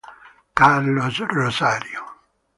Carlos Rosario